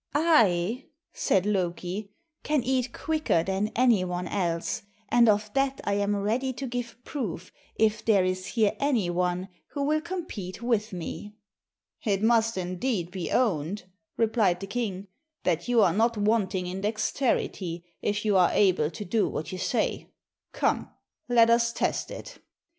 "I," said Loki, "can eat quicker than any one else, and of that I am ready to give proof if there is here any one who will compete with me." "It must, indeed, be owned," replied the king, "that you are not wanting in dexterity, if you are able to do what you say. Come, let us test it."